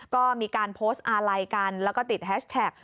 ก็มีการโพสต์อาลัยกันแล้วก็ติดแฮชแท็ก